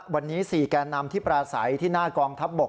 วันนี้๔แกนนำที่ปราศัยที่หน้ากองทัพบก